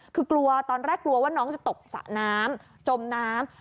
คือกลัวตอนแรกกลัวว่าน้องจะตกสระน้ำจมน้ำ